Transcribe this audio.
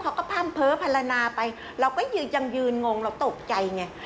เขาก็พามเผอภารณาไปเราก็ยืนยังยืนงงเราตกใจไง